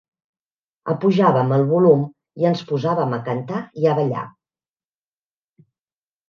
Apujàvem el volum i ens posàvem a cantar i a ballar.